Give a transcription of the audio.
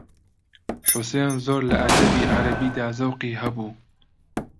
حوسێن زۆر لە ئەدەبی عەرەبیدا زەوقی هەبوو